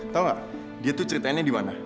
tau gak dia tuh ceritainnya di mana